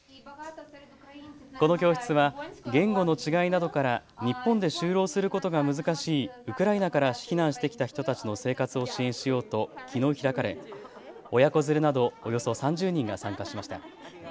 この教室は言語の違いなどから日本で就労することが難しいウクライナから避難してきた人たちの生活を支援しようときのう開かれ、親子連れなどおよそ３０人が参加しました。